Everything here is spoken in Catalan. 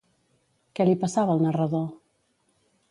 Què li passava al narrador?